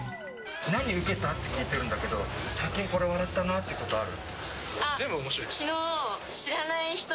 何ウケた？って聞いてるんだけど最近これ笑ったなってことある？